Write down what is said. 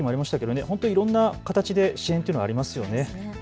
いろんな形で支援ていうのがありますよね。